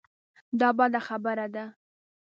دا بده خبره ده.